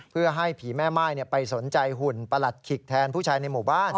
เพื่อให้ผีแม่ม่ายไปสนใจหุ่นประหลัดขิกแทนผู้ชายในหมู่บ้าน